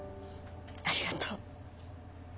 ありがとう。